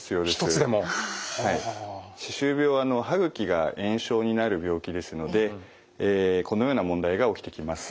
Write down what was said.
歯周病は歯ぐきが炎症になる病気ですのでこのような問題が起きてきます。